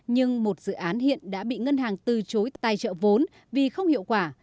nhưng một dự án hiện đã bị ngân hàng từ chối tài trợ vốn vì không hiệu quả